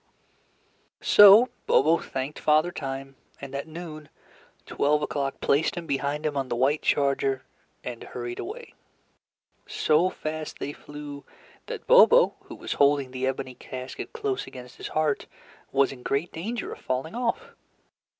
So Bobo thanked Father Time, and at noon, Twelve O'Clock placed him behind him on the white charger, and hurried away. So fast they flew that Bobo, who was holding the ebony casket close against his heart, was in great danger of falling off.